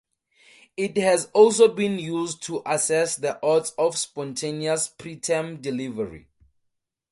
It has also been used to assess the odds of spontaneous preterm delivery.